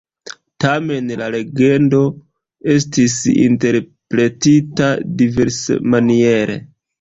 Tamen la legendo estis interpretita diversmaniere.